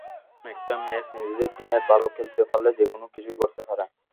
এখন একটাই ম্যাচ, নিজেদের দিনে ভালো খেলতে পারলে যেকোনো কিছুই ঘটতে পারে।